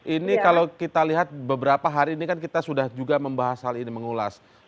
ini kalau kita lihat beberapa hari ini kan kita sudah juga membahas hal ini mengulas